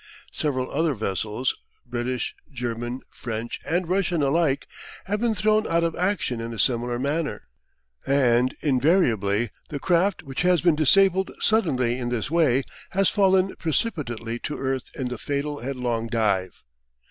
Several other vessels, British, German, French, and Russian alike, have been thrown out of action in a similar manner, and invariably the craft which has been disabled suddenly in this way has fallen precipitately to earth in the fatal headlong dive.